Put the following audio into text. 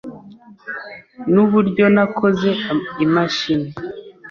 Nuburyo nakoze imashini.